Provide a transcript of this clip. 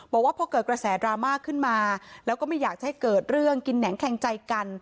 บอกว่าพอเกิดกระแสดราม่าขึ้นมาแล้วก็ไม่อยากจะให้เกิดเรื่องกินแหนงแคงใจกัน